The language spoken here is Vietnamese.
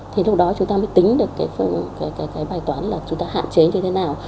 thì lúc đó chúng ta mới tính được cái bài toán là chúng ta hạn chế như thế nào